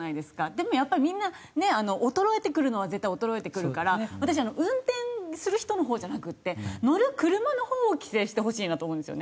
でもやっぱりみんなね衰えてくるのは絶対衰えてくるから私運転する人のほうじゃなくて乗る車のほうを規制してほしいなと思うんですよね。